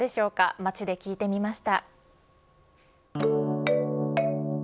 街で聞いてみました。